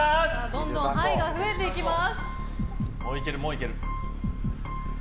どんどん牌が増えていきます。